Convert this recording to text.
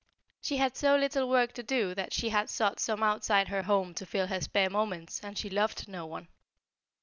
She had so little work to do that she had sought some outside her home to fill her spare moments, and she loved no one.